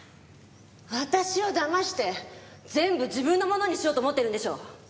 私を騙して全部自分のものにしようと思ってるんでしょ！